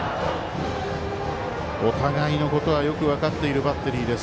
お互いのことはよく分かっているバッテリーです。